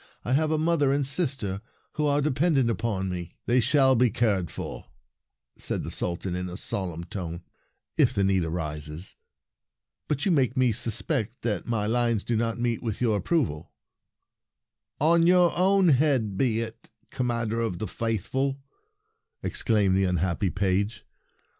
I have a mother and sister who are dependent upon me —" They shall be cared for," (4 Verses 73 said the Sultan in a solemn tone, " if the need arises. But you make me suspect that my lines do not meet with your approval." "On your own head be it, Commander of the Faithful! " exclaimed the unhappy page.